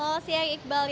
selamat siang iqbal